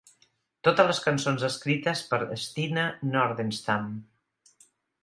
Totes les cançons escrites per Stina Nordenstam.